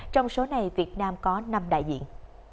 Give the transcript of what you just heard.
trong số này việt nam có năm đại diện